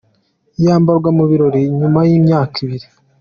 yambarwa mu birori Nyuma y’imyaka ibiri.